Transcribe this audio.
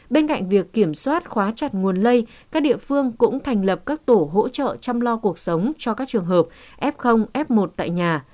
bên cạnh việc kiểm soát khóa chặt nguồn lây các địa phương cũng thành lập các tổ hỗ trợ chăm lo cuộc sống cho các trường hợp f f một tại nhà